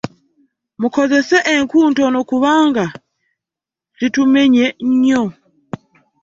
Mukozese enku ntono kubanga zitumenye nnyo.